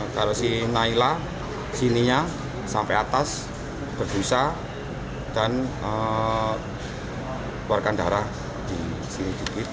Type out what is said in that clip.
kalau si naila sininya sampai atas berbusa dan keluarkan darah di sini dikit